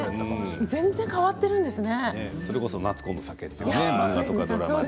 全然変わっているんですね。